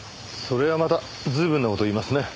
それはまた随分な事を言いますね。